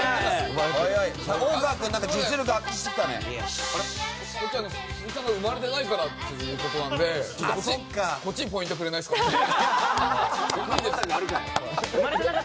まだ生まれてないからってことなのでこっちにポイントくれないですか？